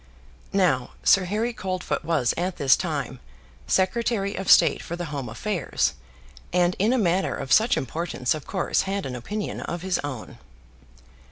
Now Sir Harry Coldfoot was at this time Secretary of State for the Home affairs, and in a matter of such importance of course had an opinion of his own.